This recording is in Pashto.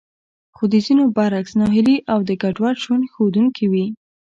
خو د ځينو برعکس ناهيلي او ګډوډ ژوند ښودونکې وې.